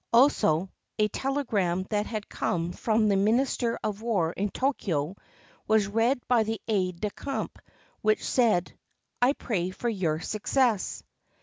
Also a telegram that had come from the Minister of War in Tokyo, was read by the aide de camp, which said, "I pray for your success."